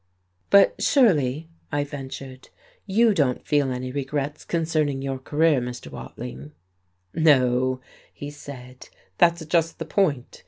"But surely," I ventured, "you don't feel any regrets concerning your career, Mr. Watling?" "No," he said, "that's just the point.